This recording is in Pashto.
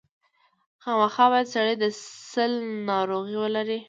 خامخا باید سړی د سِل ناروغي ولري.